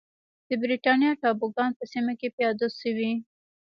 د برېټانیا ټاپوګان په سیمه کې پیاده شوې.